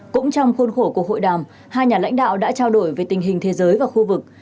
cũng trong khuôn khổ cuộc hội đàm hai nhà lãnh đạo đã trao đổi về tình hình thế giới và khu vực